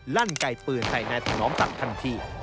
ลั่นไกลปืนใส่นายถนอมศักดิ์ทันที